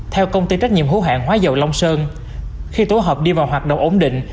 theo công ty trách nhiệm hữu hạng hóa dầu long sơn khi tổ hợp đi vào hoạt động ổn định